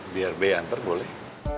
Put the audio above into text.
bia be antar boleh